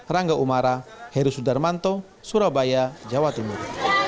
rangga umara heru sudarmanto surabaya jawa timur